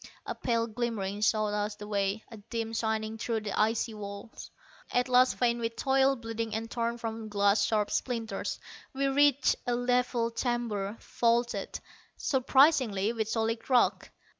A pale glimmering showed us the way, a dim shining through the icy walls. At last, faint with toil, bleeding and torn from glass sharp splinters, we reached a level chamber, vaulted, surprisingly, with solid rock.